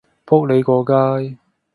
仆你個街